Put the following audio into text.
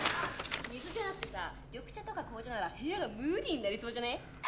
「水じゃなくてさ緑茶とか紅茶なら部屋がムーディーになりそうじゃねえ？」